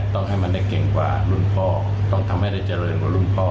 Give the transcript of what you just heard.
ต้องให้มันได้เก่งกว่ารุ่นพ่อต้องทำให้ได้เจริญกว่ารุ่นพ่อ